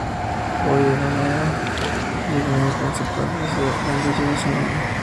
Hoy, la alameda y avenida principal de la ciudad de Rengo lleva su nombre.